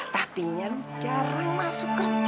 tapi lu jarang masuk kerja